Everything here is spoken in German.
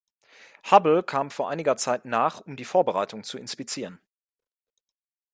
Hubble kam vor einiger Zeit nach, um die Vorbereitungen zu inspizieren.